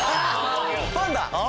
パンダ。